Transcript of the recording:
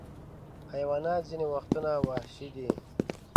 حیوانات ځینې وختونه وحشي دي.